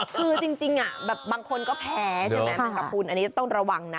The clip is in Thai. คือจริงบางคนก็แพ้ใช่ไหมแมงกระพุนอันนี้ต้องระวังนะ